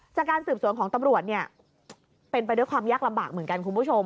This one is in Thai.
จากการสืบสวนของตำรวจเนี่ยเป็นไปด้วยความยากลำบากเหมือนกันคุณผู้ชม